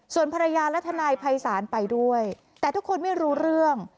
ส่วนภรรยาและทนายภัยศาลไปด้วยแต่ทุกคนไม่รู้เรื่อง